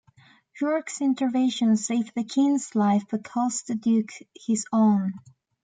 York's intervention saved the king's life but cost the duke his own.